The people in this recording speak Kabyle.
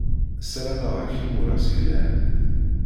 Sarameɣ-ak imuras yelhan.